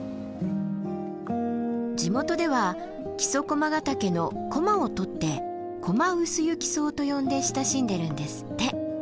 地元では木曽駒ヶ岳の「コマ」を取って「コマウスユキソウ」と呼んで親しんでるんですって。